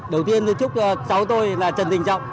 đầu tiên chúc cháu tôi là trần vinh trọng